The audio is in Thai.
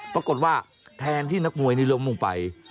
ปรากฏว่าแทนที่นักมวยนี่ล้มลงไป